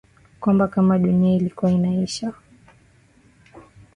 Kwamba kama dunia ilikuwa inaisha